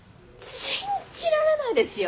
信じられないですよ。